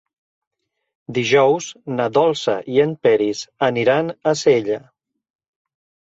Dijous na Dolça i en Peris aniran a Sella.